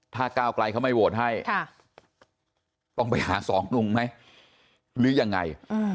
ถ้าก้าวไกลเขาไม่โหวตให้ต้องไปหาสองลุงไหมหรือยังไง